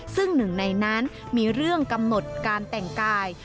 ซึ่งหนึ่งในนั้นมีเรื่องกำหนดการแต่งกาย